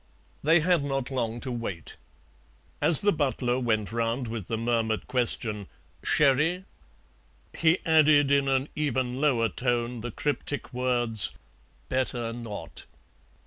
They had not long to wait. As the butler went round with the murmured question, "Sherry?" he added in an even lower tone the cryptic words, "Better not."